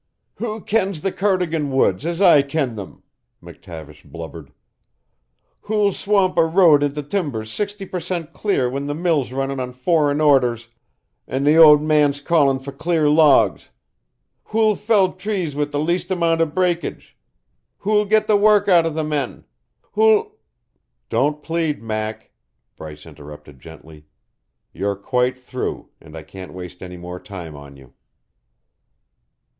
"Who kens the Cardigan woods as I ken them?" McTavish blubbered. "Who'll swamp a road into timber sixty per cent. clear when the mill's runnin' on foreign orders an' the owd man's calling for clear logs? Who'll fell trees wi' the least amount o' breakage? Who'll get the work out o' the men? Who'll " "Don't plead, Mac," Bryce interrupted gently. "You're quite through, and I can't waste any more time on you."